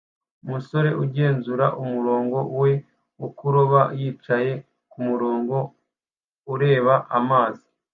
Umusore agenzura umurongo we wo kuroba yicaye kumurongo ureba amazi